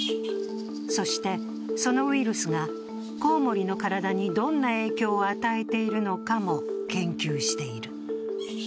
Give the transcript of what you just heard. そして、そのウイルスがコウモリの体にどんな影響を与えているのかも研究している。